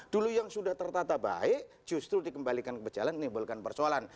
dulu yang sudah tertata baik justru dikembalikan ke jalan menimbulkan persoalan